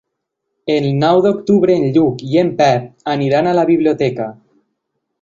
El nou d'octubre en Lluc i en Pep aniran a la biblioteca.